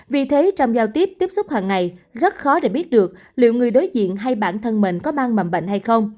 vì thế trong giao tiếp tiếp xúc hàng ngày rất khó để biết được liệu người đối diện hay bản thân mình có mang mầm bệnh hay không